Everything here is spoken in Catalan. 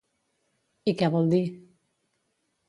I què vol dir?